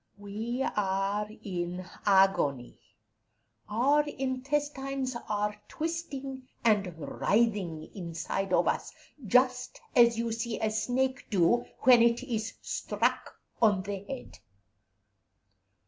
We are in agony; our intestines are twisting and writhing inside of us, just as you see a snake do when it is struck on the head.